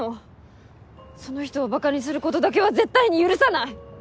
その人を馬鹿にする事だけは絶対に許さない！